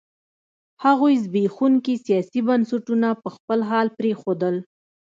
هغوی زبېښونکي سیاسي بنسټونه په خپل حال پرېښودل.